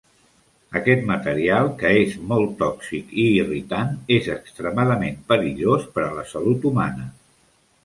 Aquest material, que és molt tòxic i irritant, és extremadament perillós per a la salut humana.